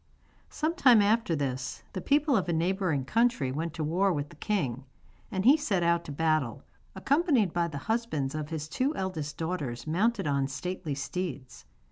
Some time after this the people of a neighbouring country went to war with the king, and he set out to battle, accompanied by the husbands of his two eldest daughters mounted on stately steeds.